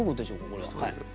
これは。